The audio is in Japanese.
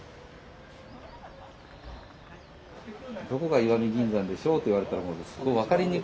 どこが石見銀山でしょうと言われたら分かりにくい。